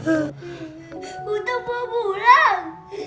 guntur mau pulang